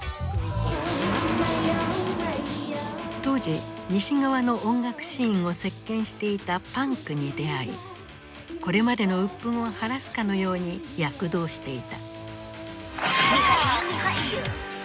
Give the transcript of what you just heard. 当時西側の音楽シーンを席巻していたパンクに出会いこれまでの鬱憤を晴らすかのように躍動していた。